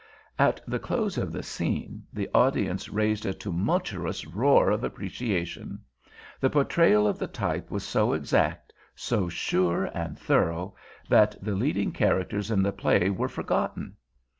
At the close of the scene the audience raised a tumultuous roar of appreciation. The portrayal of the type was so exact, so sure and thorough, that the leading characters in the play were forgotten.